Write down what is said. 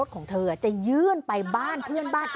สุดทนแล้วกับเพื่อนบ้านรายนี้ที่อยู่ข้างกัน